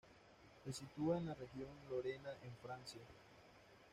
Se sitúa en la región Lorena, en Francia.